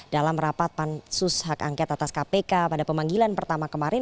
dalam rapat pansus hak angket atas kpk pada pemanggilan pertama kemarin